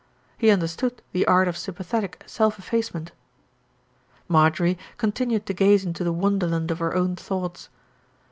He understood the art of sympathetic self effacement. Marjorie continued to gaze into the wonderland of her own thoughts.